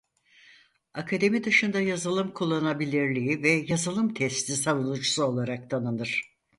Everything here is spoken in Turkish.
Akademi dışında yazılım kullanılabilirliği ve yazılım testi savunucusu olarak tanınır.